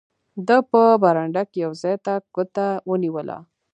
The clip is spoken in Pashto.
ده په برنډه کې یو ځای ته ګوته ونیوله.